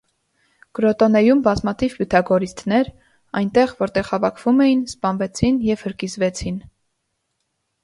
Կրոտոնեում բազմաթիվ պյութագորիստներ, այնտեղ՝ որտեղ հավաքվում էին սպանվեցին և հրկիզվեցին։